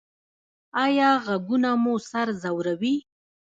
ایا غږونه مو سر ځوروي؟